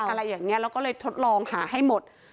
อะไรอย่างนี้แล้วก็เลยทดลองหาให้หมด